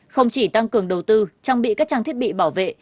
không chỉ tăng cường đầu tư trang bị các trang thiết bị bảo vệ